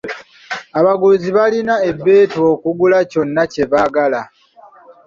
Abaguzi balina ebeetu okugula kyonna kye baagala.